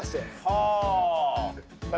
はあ。